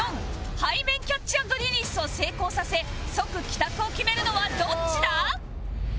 背面キャッチ＆リリースを成功させ即帰宅を決めるのはどっちだ？